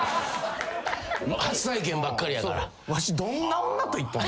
初体験ばっかりやから。